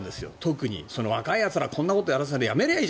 特に若いやつら、こんなことやるならやめればいい。